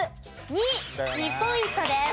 ２ポイントです。